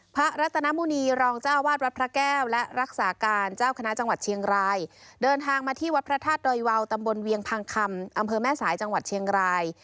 พระรัตนมุณีรองเจ้าอาวาสวัดพระแก้วและรักษาการเจ้าคณะจังหวัดเชียงรายเดินทางมาที่วัดพระธาตุดอยวาวตำบลเวียงพังคำอำเภอแม่สายจังหวัดเชียงราย